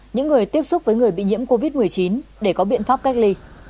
những người tiếp xúc với người bị nhiễm covid một mươi chín để có biện pháp cách ly